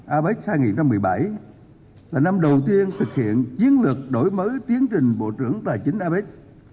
apec hai nghìn một mươi bảy là năm đầu tiên thực hiện chiến lược đổi mới tiến trình bộ trưởng tài chính apec